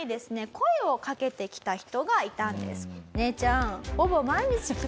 声をかけてきた人がいたんです。